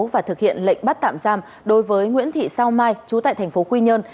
và thực hiện lệnh bắt tạm giam đối với nguyễn thị sao mai chú tại tp quy nhơn